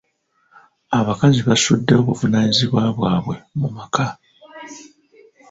Abakazi basuddewo obuvunaanyizibwa bwabwe mu maka.